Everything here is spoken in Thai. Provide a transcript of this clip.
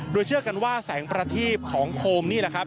โดยเชื่อกันว่าแสงประทีปของโคมนี่